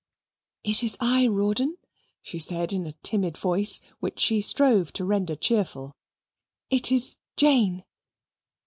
"It is I, Rawdon," she said in a timid voice, which she strove to render cheerful. "It is Jane."